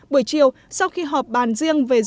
buổi chiều sau khi họp bàn riêng về dự án